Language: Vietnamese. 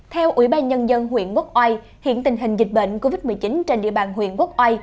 theo ủy ban nhân dân huyện quốc oai hiện tình hình dịch bệnh covid một mươi chín trên địa bàn huyện quốc oai